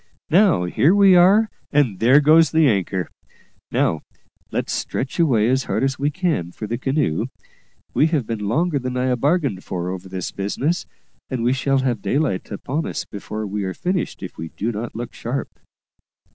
Now, here we are, and there goes the anchor. Now, let's stretch away as hard as we can for the canoe; we have been longer than I bargained for over this business, and we shall have daylight upon us before we are finished if we do not look sharp."